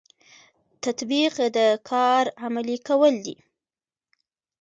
تطبیق د کار عملي کول دي